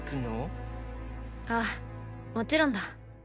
ああもちろんだ。